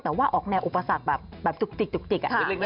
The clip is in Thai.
แต่ว่าออกแนวอุปสรรคแบบจุกจิก